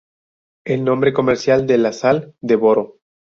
Es el nombre comercial de la sal de boro.